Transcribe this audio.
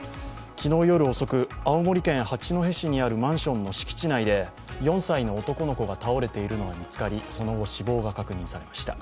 昨日夜遅く、青森県八戸市にあるマンションの敷地内で、４歳の男の子が倒れているのが見つかりその後、死亡が確認されました。